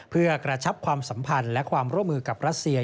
เพื่อกระชับความสัมพันธ์และความร่วมมือกับรัสเซีย